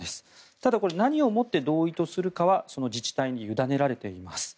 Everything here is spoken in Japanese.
ただ、これ何をもって同意とするかはその自治体に委ねられています。